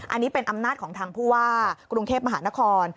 อันนี้เป็นอำนาจของทางผู้ว่ากรุงเทพมหานคร